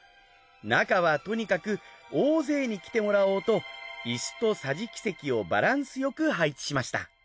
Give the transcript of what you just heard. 中はとにかく大勢に来てもらおうと椅子と桟敷席をバランスよく配置しました。